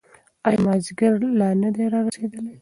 ایا مازیګر لا نه دی رارسېدلی؟